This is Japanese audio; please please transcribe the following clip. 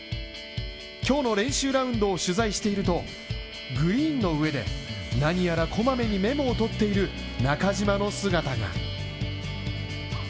今日の練習ラウンドを取材しているとグリーンの上で何やらこまめにメモを取っている中島の姿が。